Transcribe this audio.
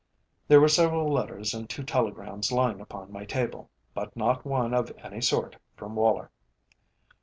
There were several letters and two telegrams lying upon my table, but not one of any sort from Woller.